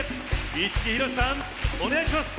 五木ひろしさん、お願いします。